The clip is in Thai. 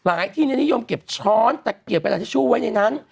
หลายที่นี่นิยมเก็บช้อนแต่เกลียดกระดาษทิชชู่ไว้ในนั้น